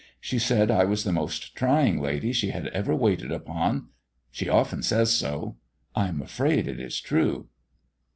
She said I was the most trying lady she had ever waited upon. She often says so. I am afraid it is true."